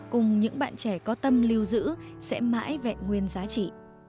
cùng những bạn trẻ có tâm lưu giữ sẽ mãi vẹn nguyên giá trị